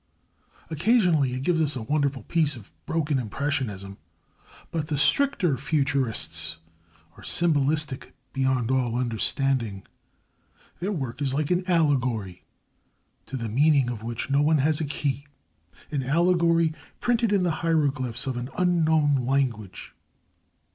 Occasionally it gives us a wonderful piece of broken impressionism; but the stricter Futurists are symbolistic beyond all understanding. Their work is like an allegory, to the meaning of which one has no key an allegory printed in the hieroglyphs of an unknown language.